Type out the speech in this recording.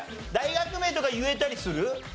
大学名とか言えたりする？